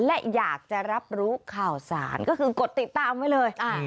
และอยากจะรับรู้ข่าวสารก็คือกดติดตามไว้เลย